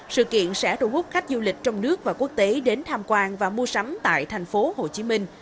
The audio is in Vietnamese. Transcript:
sự kiện sẽ thu hút khách du lịch trong nước và quốc tế đến tham quan và mua sắm tại thành phố hồ chí minh